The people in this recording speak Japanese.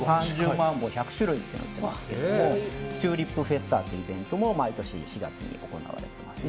３０万本、１００種類ありますけどもチューリップフェスタというイベントも毎年４月に行われます。